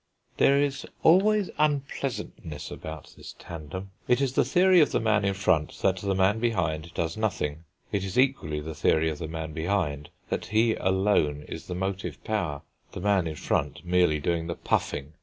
There is always unpleasantness about this tandem. It is the theory of the man in front that the man behind does nothing; it is equally the theory of the man behind that he alone is the motive power, the man in front merely doing the puffing.